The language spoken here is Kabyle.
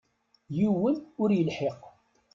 Yiwen ur yelḥiq.